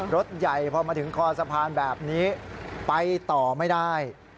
รถใหญ่พอมาถึงคอสะพานแบบนี้ไปต่อไม่ได้